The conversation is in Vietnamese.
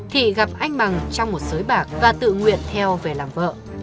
thị gặp anh bằng trong một sới bạc và tự nguyện theo về làm vợ